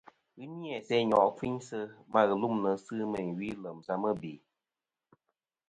Ghɨ ni-a sɨ nyo' kfiynsɨ ma ghɨlûmnɨ sɨ meyn ɨ wi lèm sɨ mɨbè.